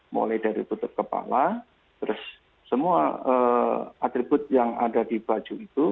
mulai dari tutup kepala terus semua atribut yang ada di baju itu